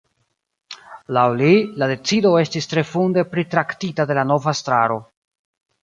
Laŭ li, la decido estis tre funde pritraktita de la nova estraro.